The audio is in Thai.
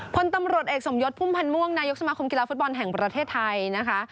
พลตำรวจเอกสมยศพุ่มพันธ์ม่วงนายกสมาคมกีฬาฟุตบอลแห่งประเทศไทยนะคะ